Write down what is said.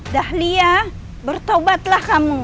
dahliah bertobatlah kamu